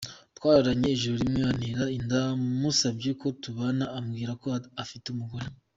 Twararanye ijoro rimwe antera inda musabye ko tubana ambwira ko afite umugore.